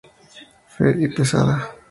Ferb: Y pesada.